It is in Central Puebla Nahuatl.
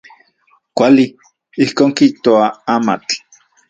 Kuali, ijkon kijtoa amatl.